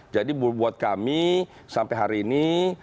jadi buat kami sampai hari ini